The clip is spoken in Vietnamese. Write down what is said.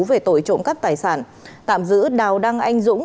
về tội trộm cắp tài sản tạm giữ đào đăng anh dũng